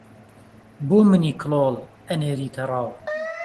بۆ منی کڵۆڵ ئەنێریتە ڕاو